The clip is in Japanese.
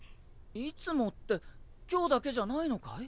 いつもって今日だけじゃないのかい？